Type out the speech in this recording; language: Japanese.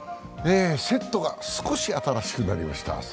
セットが少し新しくなりました。